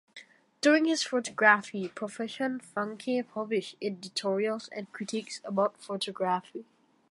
During his photography profession, Funke published editorials and critiques about photography.